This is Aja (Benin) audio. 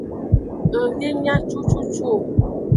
Ng de nya cucucu o.